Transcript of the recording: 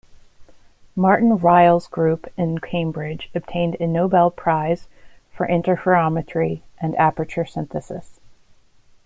Martin Ryle's group in Cambridge obtained a Nobel Prize for interferometry and aperture synthesis.